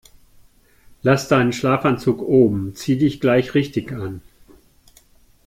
Lass deinen Schlafanzug oben, zieh dich gleich richtig an.